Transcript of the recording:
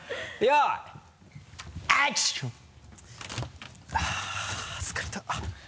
あぁ疲れた。